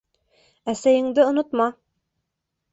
Әсәйеңде онотма!